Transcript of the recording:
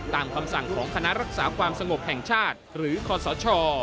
คำสั่งของคณะรักษาความสงบแห่งชาติหรือคศ